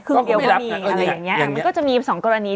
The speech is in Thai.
ครึ่งเอียวก็มีมันก็จะมี๒กรณี